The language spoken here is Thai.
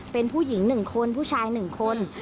เป็นผู้หญิงหนึ่งคนผู้ชายหนึ่งคน